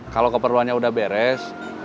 kalo keperluannya udah beres